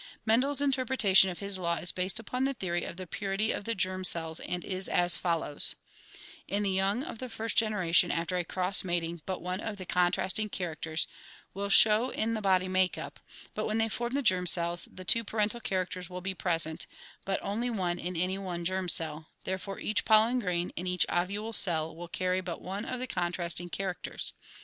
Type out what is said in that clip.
Mendefs interpretation of his law is based upon the theory of the purity of the germ cells and is as follows: In the young of the first generation after a cross mating but one of the contrasting characters will show in the body makeup, but when they form the germ cells, the two parental characters will be present, but only one in any one germ cell, therefore each pollen grain and each ovule cell will carry but one of the contrasting characters.